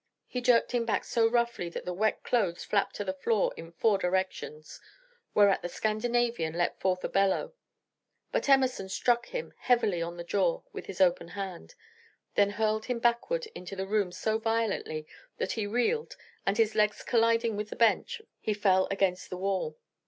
He jerked him back so roughly that the wet clothes flapped to the floor in four directions, whereat the Scandinavian let forth a bellow; but Emerson struck him heavily on the jaw with his open hand, then hurled him backward into the room so violently that he reeled, and his legs colliding with a bench, he fell against the wall.